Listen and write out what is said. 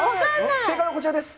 正解はこちらです。